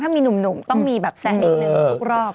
ถ้ามีหนุ่มต้องมีแบบแซะนิดนึงทุกรอบ